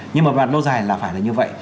nhưng mà lâu dài là phải là như vậy